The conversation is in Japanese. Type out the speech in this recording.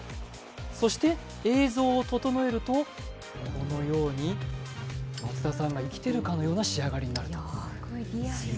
そして、映像を整えるとこのように松田さんが生きているかのような仕上がりになる。